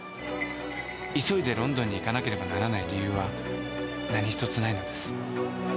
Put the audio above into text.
急いでロンドンに行かなければならない理由は何一つないのです